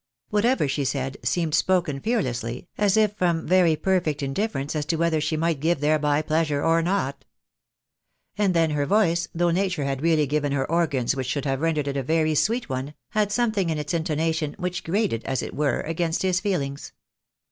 Whatever she said, seemed spoken fearlessly, as if from very perfect indifference as to whether she might give thereby pleasure or not. And then her voice, though nature had really given her organs which should have rendered it a very sweet one, had something in its intonation which grated, as it were, NO LOVE LOST. 61 against his feelings.